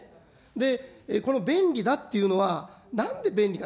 で、この便利だっていうのは、なんで便利か。